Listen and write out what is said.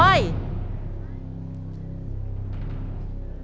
ฮาวะละพร้อม